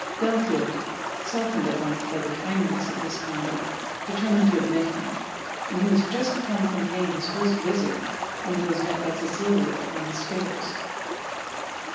Belfield, softened at length by the kindness of this conduct, determined to admit him; and he was just come from paying his first visit, when he was met by Cecilia upon the stairs.